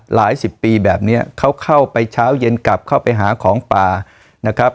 หลายสิบปีแบบนี้เขาเข้าไปเช้าเย็นกลับเข้าไปหาของป่านะครับ